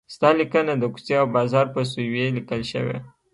ستا لیکنه د کوڅې او بازار په سویې لیکل شوې.